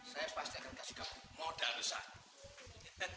saya pasti akan kasih kamu modal besar ya mbak